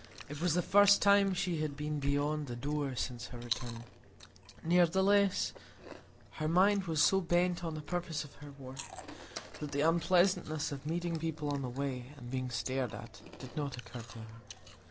It was the first time she had been beyond the door since her return; nevertheless her mind was so bent on the purpose of her walk, that the unpleasantness of meeting people on the way, and being stared at, did not occur to her.